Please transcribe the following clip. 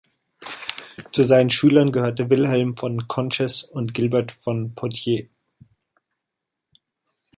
Zu seinen Schülern gehörten Wilhelm von Conches und Gilbert von Poitiers.